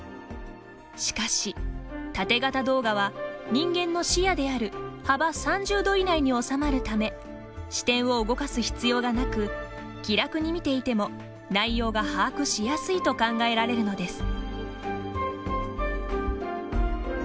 しかし、タテ型動画は人間の視野である幅３０度以内に収まるため視点を動かす必要がなく気楽に見ていても、内容が把握しやすいと考えられるのです。